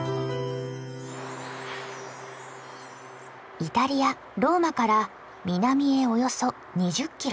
イタリア・ローマから南へおよそ２０キロ。